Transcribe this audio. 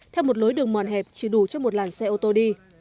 theo một lối đường mòn hẹp chỉ đủ cho một làn xe ô tô đi